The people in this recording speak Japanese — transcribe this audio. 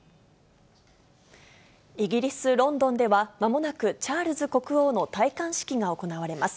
イギリス・ロンドンではまもなくチャールズ国王の戴冠式が行われます。